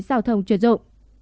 giao thông chuyển dụng